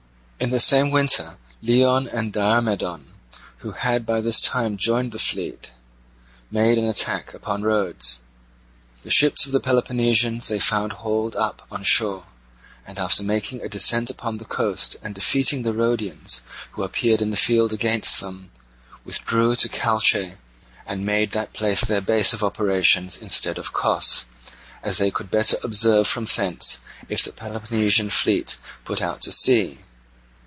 In the same winter Leon and Diomedon, who had by this time joined the fleet, made an attack upon Rhodes. The ships of the Peloponnesians they found hauled up on shore, and, after making a descent upon the coast and defeating the Rhodians who appeared in the field against them, withdrew to Chalce and made that place their base of operations instead of Cos, as they could better observe from thence if the Peloponnesian fleet put out to sea.